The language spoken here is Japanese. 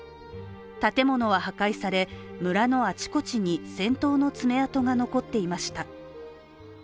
建物は破壊され、村のあちこちに戦闘の爪痕が残っていました。